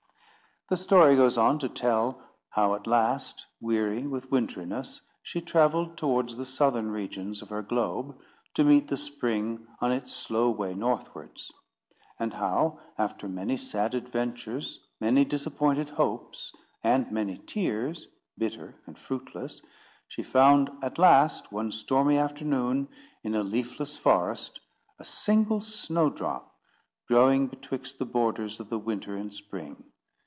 The story goes on to tell how, at last, weary with wintriness, she travelled towards the southern regions of her globe, to meet the spring on its slow way northwards; and how, after many sad adventures, many disappointed hopes, and many tears, bitter and fruitless, she found at last, one stormy afternoon, in a leafless forest, a single snowdrop growing betwixt the borders of the winter and spring.